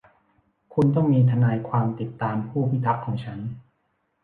คุณต้องมีทนายความติดตามผู้พิทักษ์ของฉัน